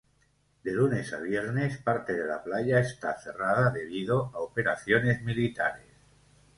De lunes a viernes parte de la playa está cerrada debido a operaciones militares.